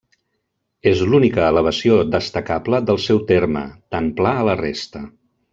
És l'única elevació destacable del seu terme, tan pla a la resta.